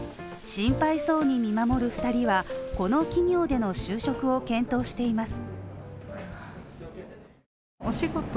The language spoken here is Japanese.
心配そうに見守る２人はこの企業での就職を検討しています。